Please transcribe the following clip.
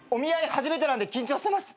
初めてなんで緊張してます！